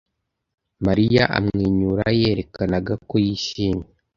Mariya amwenyura yerekanaga ko yishimye.